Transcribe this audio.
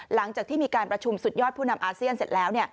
หลังจากที่มีการประชุมสุดยอดผู้นำอาเซียนเสร็จแล้ว